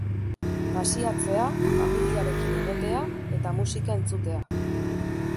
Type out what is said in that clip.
Pasiatzea, familiarekin egotea eta musika entzutea.